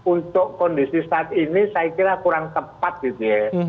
untuk kondisi saat ini saya kira kurang tepat gitu ya